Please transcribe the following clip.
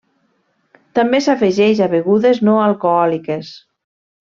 També s'afegeix a begudes no alcohòliques.